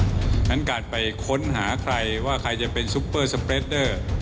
เพราะฉะนั้นการไปค้นหาใครว่าใครจะเป็นซุปเปอร์สเปรดเดอร์